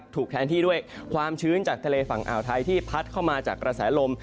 แทนที่ด้วยความชื้นจากทะเลฝั่งอ่าวไทยที่พัดเข้ามาจากกระแสลม